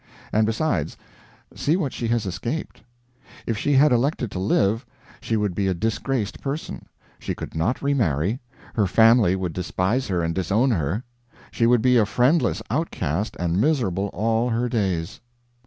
And, besides, see what she has escaped: If she had elected to live, she would be a disgraced person; she could not remarry; her family would despise her and disown her; she would be a friendless outcast, and miserable all her days.